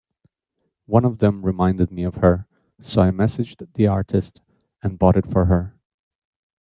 One of them reminded me of her, so I messaged the artist and bought it for her.